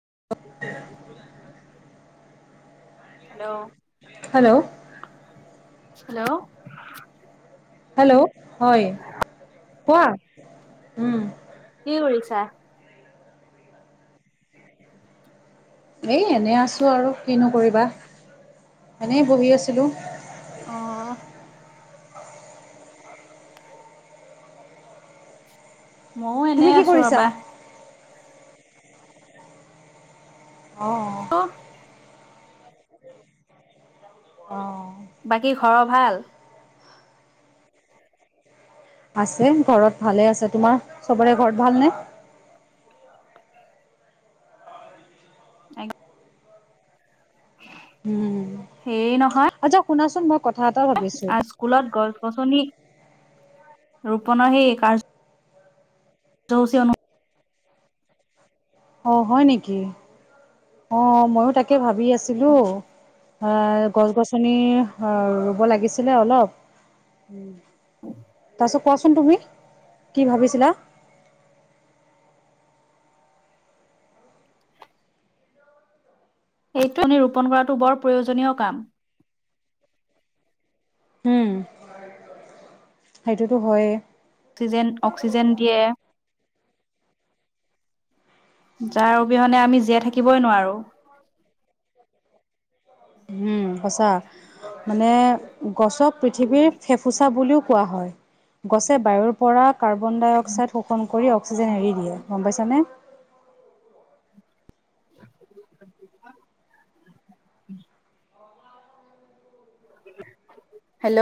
[unintelligible] Hello hello hello hello, হয় কোৱা উম কি কৰিছা? এই এনেই আছোঁ আৰু কিনো কৰিবা এনেই বহি আছিলোঁ। অ ময়ো তুমি এনেই কি আছোঁ কৰিছা? ৰবা। অ' অ' বাকী ঘৰৰ ভাল? আছে ঘৰত ভালে আছে তোমাৰ চবৰে ঘৰত ভালনে? [unintelligible] উম হেৰি নহয় আচ্ছা শুনাচোন মই কথা এটা ভাবিছোঁ স্কুলত গছ-গছনি ৰোপনৰ সেই কাৰ্য্য [unintelligible] অ', হয় নেকি, অ, মইয়ো তাকে ভাবি আছিলোঁ। আহ গছ-গছনি, ৰুব লাগিছিলে অলপ, উম, তাৰপিছত কোৱাচোন তুমি কি ভাবিছিলা? [inaudible] সেইটো ৰোপন কৰাটো বৰ প্ৰয়োজনীয় কাম। উম সেইটোতো হয়ে। অক্সিজেন অক্সিজেন দিয়ে যাৰ অবিহনে আমি জীয়াই থাকিবই নোৱাৰো। উম, সঁচা মানে গছক পৃথিৱীৰ ফেফুচা বুলিও কোৱা হয়, গছে বায়ুৰ পৰা কাৰ্বন-ডাই-অক্সাইড শোষণ কৰি অক্সিজেন এৰি দিয়ে, গম পাইছানে? [inaudible] হেল্ল'।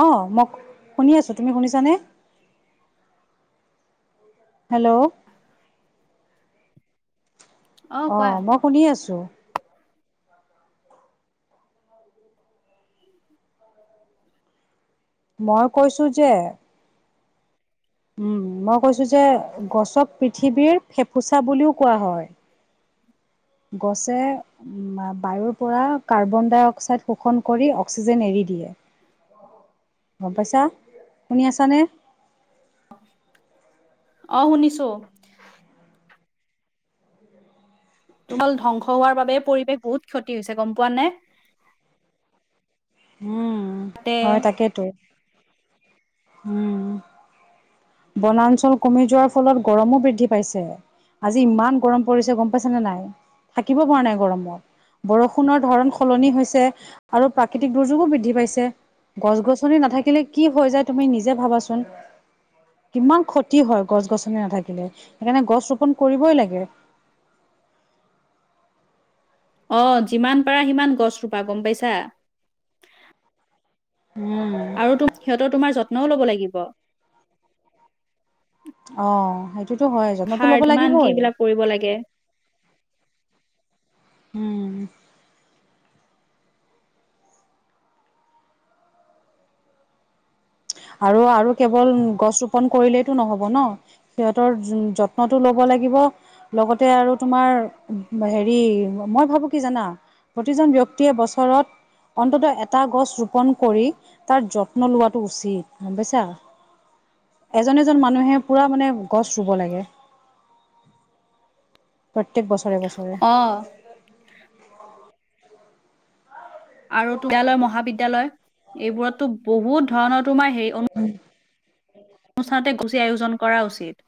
অ, মই শুনি আছো, তুমি শুনিছানে? হেল্ল'। অ, মই শুনি আছো। মই কৈছো যে উম, মই কৈছো যে গছক পৃথিৱীৰ ফেফুচা বুলিও কোৱা হয়। গছে উ বায়ুৰ পৰা কাৰ্বন-ডাই-অক্সাইড শোষণ কৰি অক্সিজেন এৰি দিয়ে। [inaudible] গম পাইছা, শুনি আছানে? আহ শুনিছো। তোমাল ধ্বংস হোৱাৰ বাবে পৰিৱেশ বহুত ক্ষতি হৈছে, গম পোৱা নে? উম, তাতে হয় তাকেইতো, উম। বনাঞ্চল কমি যোৱাৰ ফলত গৰমো বৃদ্ধি পাইছে। আজি ইমান গৰম পৰিছে গম পাইছে নে নাই, থাকিব পৰা নাই গৰমত। বৰষুণৰ ধৰণ সলনি হৈছে আৰু প্ৰাকৃতিক দুৰ্যোগো বৃদ্ধি পাইছে। গছ-গছনি নাথাকিলে কি হৈ যায় তুমি নিজে ভাবাচোন। কিমান ক্ষতি হয় গছ-গছনি নাথাকিলে, সেইকাৰণে গছ ৰোপন কৰিবই লাগে। [inaudible] অ, যিমান পাৰা সিমান গছ ৰুপা, গম পাইছা? উম, আৰু তু সিহঁতৰ তোমাৰ যত্নও ল'ব লাগিব। অ, সেইটোতো হয় যত্নতো সাৰ লব কিমান কি লাগিবই। এইবিলাক কৰিব লাগে। উম। আৰু, আৰু কেৱল গছ ৰোপন কৰিলেইতো নহব ন, সিহঁতৰ যত্নটো ল'ব লা লাগিব, লগতে আৰু তোমাৰ হেৰি মই ভাবো কি জানা? প্ৰতিজন ব্যক্তিয়ে বছৰত অন্তত এটা গছ ৰোপন কৰি তাৰ যত্ন লোৱাটো উচিত। গম পাইছা, এজন-এজন মানুহে পুৰা মানে গছ ৰুব লাগে। [inaudible] প্ৰত্যেক বছৰে-বছৰে। অ আৰু বিদ্যালয়, মহাবিদ্যালয় এইবোৰততো বহুত ধৰণৰ তোমাৰ হেৰি অনুষ্ঠানতে গুচি আয়োজন কৰা উচিত,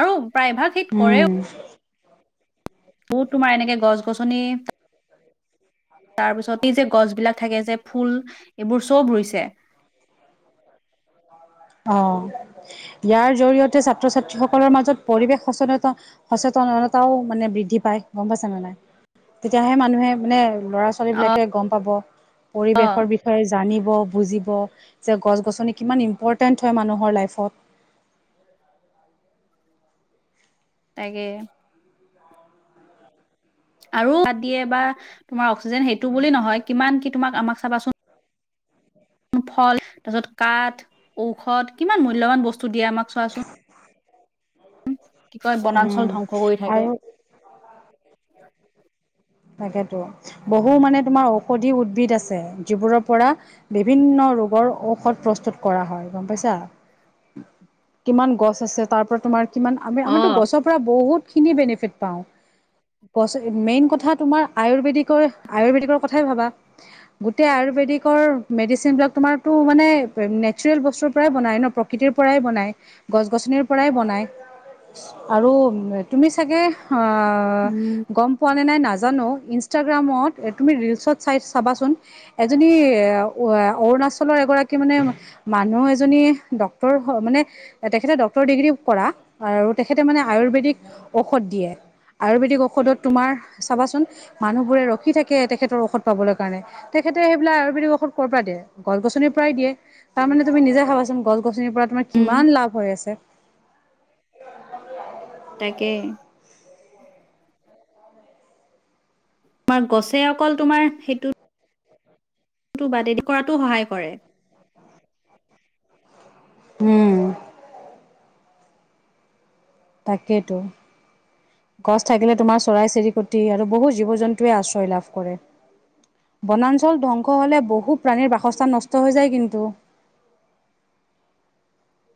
আৰু প্ৰায়ভাগ সি উম কৰেও বহুত তোমাৰ এনেকে গছ-গছনি বিলাক থাকে যে ফুল এইবোৰ চব ৰুইছে [inaudible] [inaudible] অ', ইয়াৰ জৰিয়তে ছাত্ৰ-ছাত্ৰীসকলৰ মাজত পৰিৱেশ সচেনত-সচেতন তাও মানে বৃদ্ধি পায়, গম পাইছা নে নাই? তেতিয়াহে মানুহে মানে ল'ৰা-ছোৱালী অ বিলাকে গম পাব, অ পৰিবেশৰ বিষয়ে জানি ব, বুজিব, যে গছ-গছনি কিমান ইমপ'ৰ্টেন্ট হয় মানুহৰ লাইফত। [inaudible] তাগে। আৰু দিয়ে বা তোমাৰ অক্সিজেন সেইটো বুলি নহয়, কিমান কি তোমাক আমাক চাবাচোন ফল, তাৰপিছত কাঠ, ঔষধ, কিমান মূল্যবান বস্তু দিয়ে আমাক চোৱাচোন। কি কয় বনাঞ্চল উম ধ্বংস কৰি থাকে। আৰু তাকেতো। বহু মানে তোমাৰ ঔষধি উদ্ভিদ আছে, যিবোৰৰ পৰা বিভিন্ন ৰোগৰ ঔষধ প্ৰস্তুত কৰা হয়। গম পাইছা? কিমান গছ আছে। তাৰ পৰা তোমাৰ কিমান আমি, অ আমিতো গছৰ পৰা বহুতখিনি বেনিফিট পাওঁ। গছে, মেইন কথা তোমাৰ আয়ুৰ্বেদিকৰ, আয়ুৰ্বেদিকৰ কথাই ভাবা। গোটেই আয়ুৰ্বেদিকৰ মেডিচিন বিলাক তোমাৰতো মানে নেচাৰেল বস্তুৰ পৰাই বনায় ন? প্ৰকৃতিৰ পৰাই বনায়। গছ গছনিৰ পৰাই বনায়। আৰু তুমি চাগে অ', উম গম পোৱা নে নাই নাজ নাজানো। ইনষ্টাগ্ৰামত তুমি ৰিলচ্ ত চাই চাবাচোন। এজনি অৰুণাচলৰ এগৰাকী মানে মানুহ এজনী ডক্তৰ, মানে তেখেতে ডক্তৰ ডিগ্ৰী কৰা। আৰু তেখেতে মানে আয়ুৰ্বেদিক ঔষধ দিয়ে। আয়ুৰ্বেদিক ঔষধত তোমাৰ চাবাচোন মানুহবোৰে ৰখি থাকে তেখেতৰ ঔষধ পাবৰ কাৰণে। তেখেতে সেইবিলাক আয়ুৰ্বেদিক ঔষধ ক'ৰ পৰা দিয়ে? গছ গছনিৰ পৰাই দিয়ে। তাৰ মানে তুমি নিজে ভাবাচোন গছ গছনিৰ পৰা তোমাৰ উম কিমান লাভ হৈ আছে। তাকে। তোমাৰ গছে অকল তোমাৰ সেইটো টো বাদেই। কৰাটো সহায় কৰে। উম, তাকেতো। গছ থাকিলে তোমাৰ চৰাই চিৰিকটি আৰু বহু জীৱ জন্তুৱে আশ্ৰয় লাভ কৰে। বনাঞ্চল ধ্বংস হ'লে বহু প্ৰাণীৰ বাসস্থান নষ্ট হৈ যায় কিন্তু। [inaudible]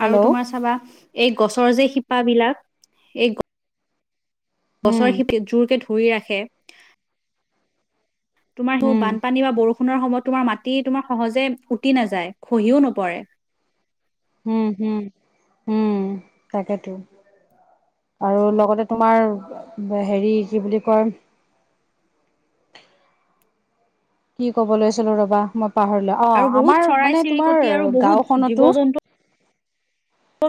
হেল্ল' আৰু তোমাৰ চাবা এই গছৰ যে শিপাবলাক, এই উম গছৰশিপাত জোৰকে ধৰি ৰাখে। তোমাৰ সেই উম বানপানী বা বৰষুণ কোনোবা সময়ত তোমাৰ মাটি তোমাৰ সহজে ফুটি নাযায়। খহিও নপৰে। উম, হম, উম, তাকেইেটো। আৰু লগতে তোমাৰ হেৰি কি বুলি কয়? কি ক'ব লৈছিলো ৰবা মই পাহৰিলো। অ' আৰু বহুত আমাৰ চৰাই মানে চিৰিকটি তোমাৰ আৰু বহুত জীৱ গাঁওখনতো জন্তু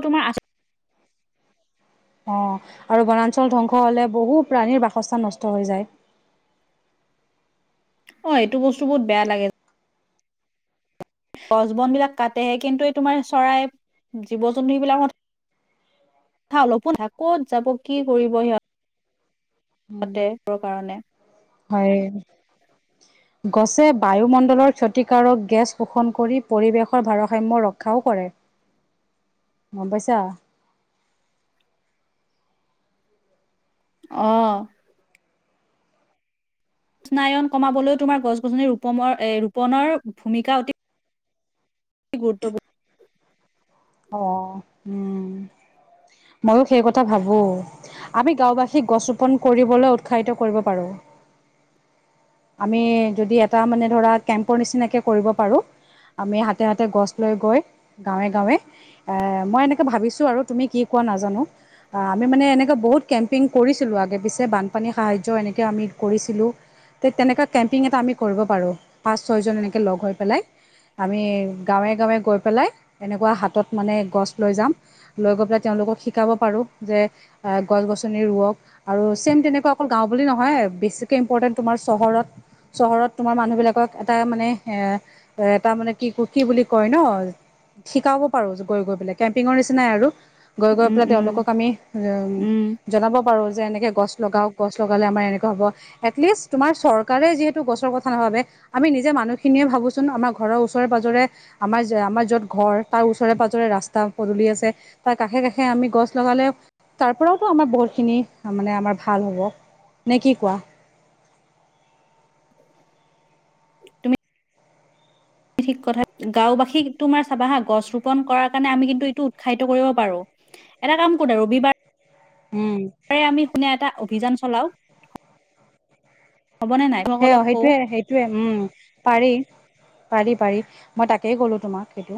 তোমাৰ আ অ' আৰু বনাঞ্চল ধ্বংস হলে বহু প্ৰাণীৰ বাসস্থান নষ্ট হৈ যায়। অ' এইটো বস্তু বহুত বেয়া লাগে। গছ বন বিলাক কাটে। কিন্তু এই তোমাৰ চৰাই, জীৱ জন্তু বিলাকত কথা অলপো, কত যাব? কি কৰিব সিহঁত? পাতে কাৰণে হয়। গছে বায়ুমণ্ডলৰ ক্ষতিকাৰক গেছ শোষণ কৰি পৰিৱেশৰ ভাৰসাম্য ৰক্ষা অ' কৰে। [unintelligible] গম পাইছা। অহ, স্নায়ন কমাবলৈ তোমাৰ গছ গছনি ৰোপ মৰ ৰোপনৰ ভূমিকা অতি। গুৰুত্বপূৰ্ণ অ' উম, ময়ো সেই কথা ভাবো। আমি গাঁওবাসীক গছ ৰোপন কৰিবলৈ উৎসাহিত কৰিব পাৰোঁ। আমি যদি এটা মানে ধৰা কেম্পৰ নিচিনাকে কৰিব পাৰো আমি হাতে হাত। তাতে গছ লৈ গৈ গাঁৱে গাঁৱে এ মই এনেকৈ ভাবিছোঁ আৰু তুমি কি কোৱা নাজানো। আ আমি মানে এনেকা বহুত কেম্পিং কৰিছিলোঁ আগে পিছে বানপানী সাহায্য এনে কে আমি কৰিছিলোঁ। ঠিক তেনেকুৱা কেম্পিং এটা আমি কৰিব পাৰোঁ পাঁচ ছয়জন এনেকৈ লগ হৈ পেলাই আমি। গাঁৱে-গাঁৱে গৈ পেলাই এনেকুৱা হাতত মানে গছ লৈ যাম লৈ গৈ পেলাই তেওঁলোকক শিকাব পাৰোঁ। যে এ গছ গছনি ৰুৱক আৰু ছেম তেনেকুৱা অকল গাঁও বুলি নহয় আৰু বেছিকে ইম্পৰটেন্ট তোমা হয় চহৰত তোমাৰ মানুহ বিলাকক এটা মানে এ তাৰ মানে কি কো কি বুলি কয় ন শিকাব পাৰো গৈ গৈ পেলাই কেম্পিঙৰ নিচিনাই আৰু। গৈ গৈ উম পেলাই উম তেওঁলোকক আমি উ উম জনাব পাৰো যে এনেকে গছ লগাওঁক গছ লগালে মানে এনেকুৱা হ'ব এটলিষ্ট চৰকাৰে যিহেতু গছৰ কথা নাভাবে আমি নিজে মানুহখিনিয়ে ভাবো চোন ঘৰৰ ওচৰে পাজৰে। আমাৰ আমাৰ য'ত ঘৰ তাৰ ওচৰে পাজৰে ৰাস্তা পদুলি আছে তাৰ কাষে কাষে আমি গছ লগাওঁ। তাৰ পৰাওতো আমাৰ বহুতখিনি মানে আমাৰ ভাল হ'ব, নে কি কোৱা? তুমি ঠিক কথা গাঁওবাসীক তোমাৰ চাবা হা গছ ৰোপন কৰাৰ কাৰণে আমি কিন্তু এইটো উৎসাহিত কৰিব পাৰো। এটা কাম কৰো দে ৰবিবাৰ উম তাৰে আমি শুনা এটা অভিযান চলাও। হ'বনে নাই সে সকলক কওঁ সেইটোৱে সেইটোৱে উম পাৰি। পাৰি পাৰি মই তাকেই কলোঁ তোমাক সেইটো।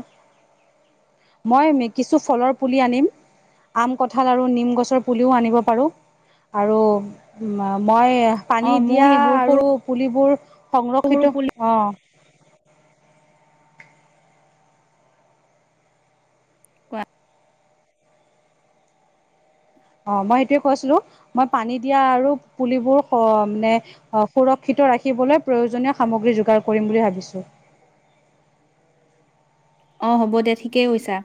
মই মে কিছু ফলৰ পুলি আনিম আম, কঁঠাল, আৰু নিম গছৰ পুলিও আনিব পাৰোঁ আৰু মই পানী অ মই দিয়া সেইবোৰ সৰু আৰু পুলিবোৰ সৰু সংৰক্ষিত পুলি অ' কোৱা। অ' মই সেইটোৱে কৈ আছিলোঁ মই পানী দিয়া আৰু পুলিবোৰ স মানে সুৰক্ষিত ৰাখিবলৈ প্ৰয়োজনীয় সামগ্ৰী যোগাৰ কৰিম বুলি ভাবিছোঁ। [inaudible] অ' হ'ব দে ঠিকেই কৈছা।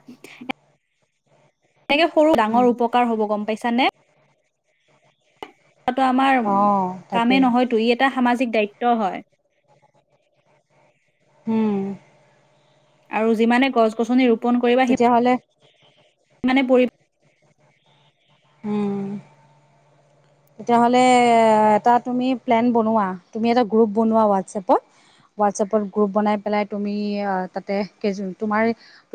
তাকে সৰু ডাঙৰ উপকাৰ হ'ব গম পাইছানে। টো আমাৰ অঁ কামেই তাকে নহয়তো ই এটা সামাজিক দায়িত্ব হয়। হম। আৰু যিমানেই গছ গছনি ৰূপ তেতিয়াাহ'লে মানে পৰি উম। তেতিয়াহ'লে এটা তুমি প্লেন বনোৱা, তুমি এটা গ্ৰুপ বনোৱা হোৱাটছএপত। হোৱাটছএপত গ্ৰুপ বনাই পেলাই তুমি আ তাতে কেই তোমাৰ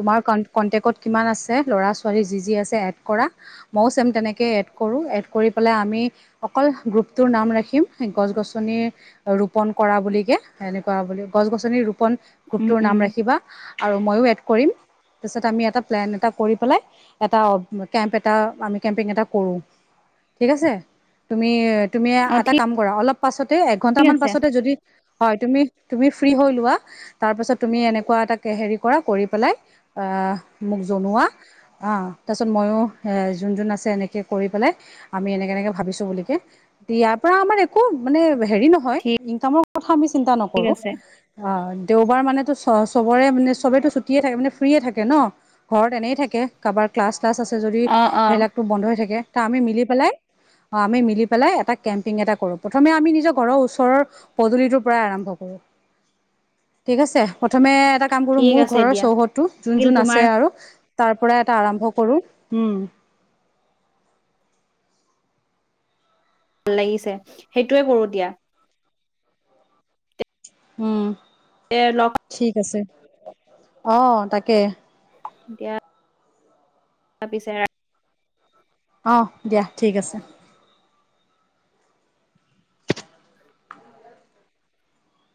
তোমাৰ কনটেক্টত কিমান আছে ল'ৰা-ছোৱালী যি যি আছে এড কৰা, মইও চেম তেনে কে এড কৰোঁ এড কৰি পেলাই আমি অকল গ্ৰুপটোৰ নাম ৰাখিম গছ-গছনি ৰোপন কৰা বুলিকে এনেকুৱা গছ-গছনি ৰোপন উম গ্ৰুপটোৰ উম নাম ৰাখিবা আৰু মইও এড কৰিম। তাৰপিছত আমি এটা প্লেন এটা কৰি পেলাই এটা কেম্প এটা আমি কেম্পিং এটা কৰোঁ। ঠিক আছে তুমি তুমি অ ঠিক এটা কাম কৰা অলপ পাছতে এক ঠিক ঘন্টামান আছে পাছতে যদি হয় তুমি তুমি ফ্ৰ্ৰী হৈ লোৱা তাৰ পাছত তুমি এনেকুৱা এটা হেৰি কৰা কৰি পেলাই আ মোক জনোৱা অ তাৰপিছত মইও যোন যোন আছে এনেকে কৰি পেলাই আমি এনেক এনেকে ভাবিছোঁ বুলিকে, ইয়াৰ পৰা আমাৰ একো মানে হেৰি নহয় ঠিক ইনকামৰ কথা আমি চিন্তা নকৰোঁ। আছে আ দেওবাৰ মানেটো চ বৰে মানে চবেইতো ছুটিয়ে থাকে মানে ফ্ৰিয়ে থাকে ন ঘৰত এনেই থাকে কাৰোবাৰ ক্লাছ ক্লাছ আছে যদি অ অ সেইবিলাকটো বন্ধৱে থাকে, তা আমি মিলি পেলাই আমি মিলি পেলাই এটা কেম্পিং এটা কৰোঁ। প্ৰথমে আমি নিজৰ ঘৰৰ ওচৰৰ পদূলিটোৰ পৰাই আৰম্ভ কৰোঁ। [inaudible] ঠিক আছে প্ৰথমে এটা কাম কৰোঁ ঠিক মোৰ আছে ঘৰৰ দিয়া চৌহদটো যোন লাগিল যোন তোমাৰ আছে আৰু তাৰ পৰা এটা আৰম্ভ কৰোঁ উম। ভাল লাগিছে সেইটোৱে কৰোঁ দিয়া। উম এ লগ ঠিক আছে অ' তাকে। দিয়া। তাৰ পিছে অ' দিয়া ঠিক আছে।